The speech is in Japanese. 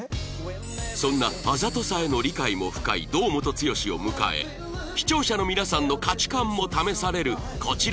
そんなあざとさへの理解も深い堂本剛を迎え視聴者の皆さんの価値観も試されるこちらの企画